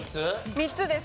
３つです。